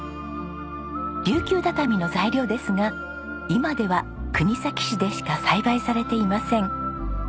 琉球畳の材料ですが今では国東市でしか栽培されていません。